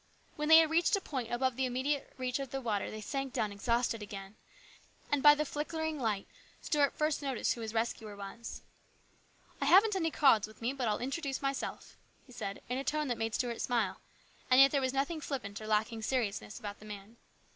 When they had reached a point above the immediate reach of the water they sank down exhausted again, and by the flickering light Stuart first noticed who his rescuer was. " I haven't any cards with me, but I'll introduce myself," he said in a tone that made Stuart smile, and yet there was nothing flippant or lacking in seriousness about the man.